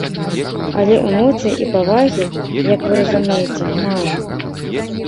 Але эмоцый і павагі, як вы разумееце, мала.